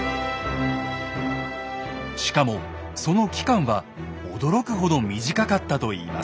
しかもその期間は驚くほど短かったといいます。